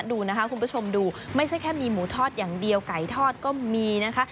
ดูนะคะคุณผู้ชมดูไม่ใช่แค่มีหมูทอดอย่างเดียวไก่ทอดก็มีนะคะ